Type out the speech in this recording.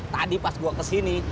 tadi pas gue kesini